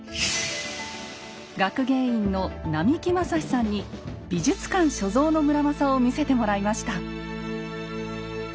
学芸員の並木昌史さんに美術館所蔵の村正を見せてもらいました。